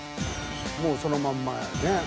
もうそのまんまやね。